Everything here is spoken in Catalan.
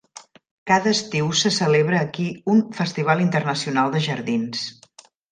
Cada estiu se celebra aquí un festival internacional de jardins.